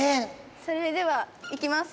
それではいきます。